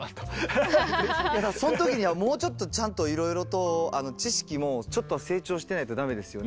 その時にはもうちょっとちゃんといろいろと知識もちょっとは成長してないと駄目ですよね。